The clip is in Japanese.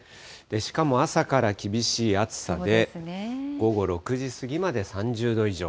しかも朝から厳しい暑さで、午後６時過ぎまで３０度以上。